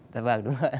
dạ vâng đúng rồi